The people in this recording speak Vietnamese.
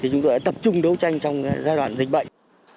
chúng tôi đã tập trung đấu tranh trong giai đoạn dịch bệnh